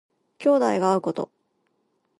兄弟が会うこと。